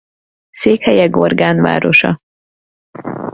Székhelye Gorgán városa.